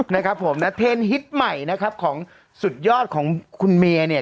นะครับผมนะเทรนดิตใหม่นะครับของสุดยอดของคุณเมย์เนี่ย